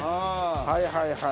はいはい。